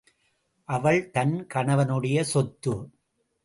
அவள் தன் கணவனுடைய சொத்து!